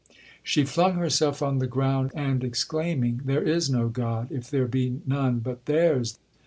'She flung herself on the ground, and exclaiming, 'There is no God, if there be none but theirs!'